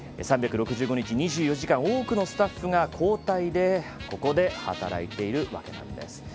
３６５日、２４時間多くのスタッフが交代で、ここで働いているわけなんです。